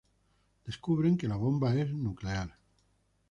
Descubren que la bomba es nuclear.